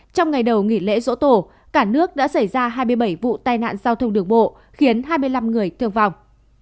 trong ngày đầu nghỉ lễ dỗ tổ cả nước đã xảy ra hai mươi bảy vụ tai nạn giao thông đường bộ khiến hai mươi năm người thương vong